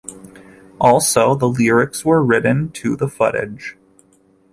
Also the lyrics were written to the footage.